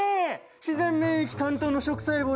自然免疫担当の食細胞諸君。